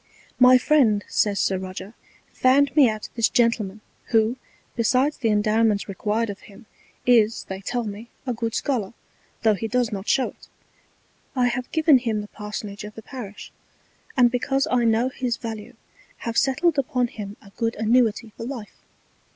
My Friend, says Sir Roger, found me out this Gentleman, who, besides the Endowments required of him, is, they tell me, a good Scholar, tho' he does not show it. I have given him the Parsonage of the Parish; and because I know his Value have settled upon him a good Annuity for Life.